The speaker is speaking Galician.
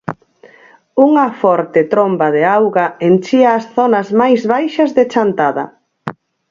Unha forte tromba de auga enchía as zonas máis baixas de Chantada.